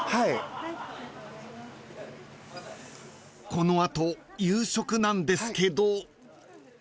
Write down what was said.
［この後夕食なんですけど］